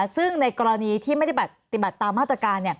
ซึ่งในกรณีที่ไม่ได้ปฏิบัติตามมาตรการ